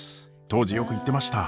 当時よく言ってました。